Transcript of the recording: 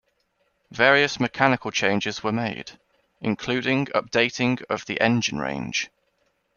Various mechanical changes were made, including updating of the engine range.